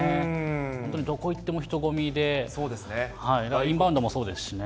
本当にどこ行っても人混みで、だからインバウンドもそうですしね。